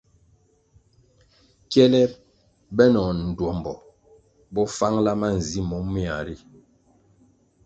Kyele benoh ndtuombo bo fangla manzi moméa ri.